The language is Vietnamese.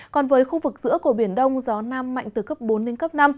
còn với khu vực giữa của biển đông gió nam mạnh từ cấp bốn đến cấp năm